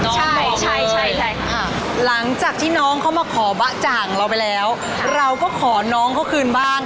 ใช่ใช่ค่ะหลังจากที่น้องเขามาขอบ๊ะจ่างเราไปแล้วเราก็ขอน้องเขาคืนบ้าง